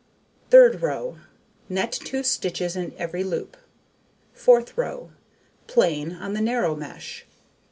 Third row: Net 2 stitches in every loop. Fourth row: Plain, on the narrow mesh.